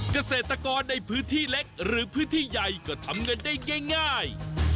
เกษตรกรในพื้นที่เล็กหรือพื้นที่ใหญ่ก็ทำเงินได้ง่าย